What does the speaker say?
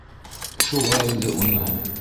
— Шулай инде уныһы.